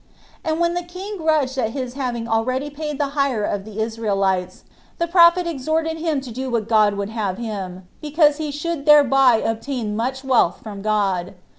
And when the king grudged at his having already paid the hire of the Israelites, the prophet exhorted him to do what God would have him, because he should thereby obtain much wealth from God.